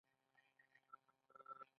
ایا ځمکه د کار موضوع ګڼل کیدای شي؟